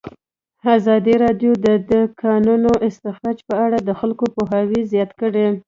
ازادي راډیو د د کانونو استخراج په اړه د خلکو پوهاوی زیات کړی.